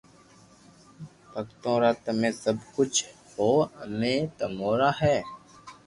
ڀگتو را تمي سب ڪجھ ھون امي تمو را ھي